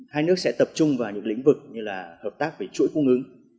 hai nước sẽ tập trung vào những lĩnh vực như là hợp tác về chuỗi cung ứng